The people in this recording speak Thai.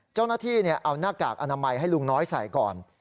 เจ้าหน้าที่เอาหน้ากากอนามัยให้ลุงน้อยใส่ก่อน